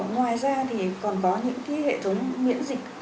ngoài ra thì còn có những hệ thống miễn dịch